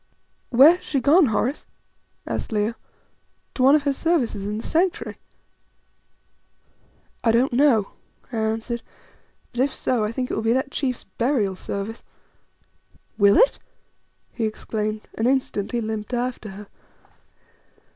"Where has she gone, Horace?" asked Leo. "To one of her services in the Sanctuary?" "I don't know," I answered; "but if so, I think it will be that chief's burial service." "Will it?" he exclaimed, and instantly limped after her.